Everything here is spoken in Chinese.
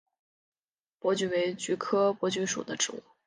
珀菊为菊科珀菊属的植物。